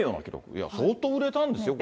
いや、相当売れたんですよ、これ。